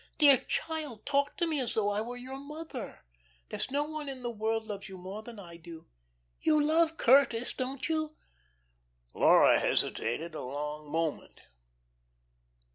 Dear child, talk to me as though I were your mother. There's no one in the world loves you more than I do. You love Curtis, don't you?" Laura hesitated a long moment.